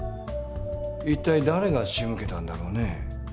一体誰が仕向けたんだろうねえ。